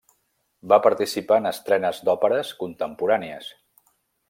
Va participar en estrenes d'òperes contemporànies.